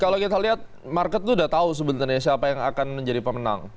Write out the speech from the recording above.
kalau kita lihat market itu sudah tahu sebenarnya siapa yang akan menjadi pemenang